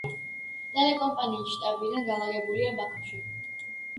ტელეკომპანიის შტაბ-ბინა განლაგებულია ბაქოში.